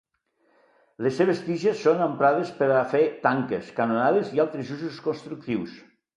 Les seves tiges són emprades per a fer tanques, canonades i altres usos constructius.